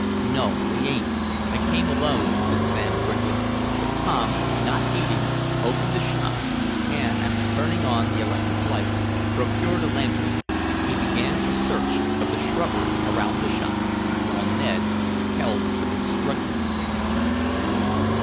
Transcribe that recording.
"No, they ain't. I came alone," said Sam quickly, but Tom, not heeding, opened the shop, and, after turning on the electric lights, procured a lantern. He began a search of the shrubbery around the shop, while Ned held to the struggling Sam.